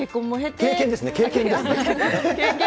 経験ですね、経験。